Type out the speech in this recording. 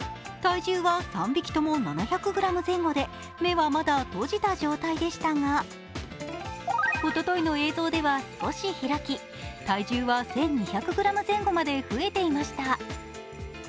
体重は３匹とも７００ｇ前後で目はまだ閉じた状態でしたがおとといの映像では少し開き、体重は１２００ｇ前後まで増えていました。